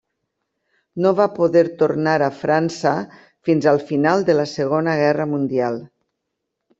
No va poder tornar a França fins al final de la segona guerra mundial.